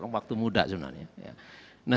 waktu muda sebenarnya